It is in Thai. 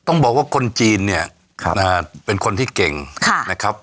ต้องบอกว่าคนจีนเนี่ยเป็นคนที่เก่งนะครับ